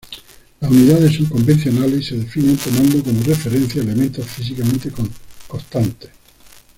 Las unidades son convencionales y se definen tomando como referencia elementos físicamente constantes.